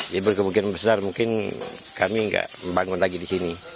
jadi berkebukiran besar mungkin kami gak bangun lagi di sini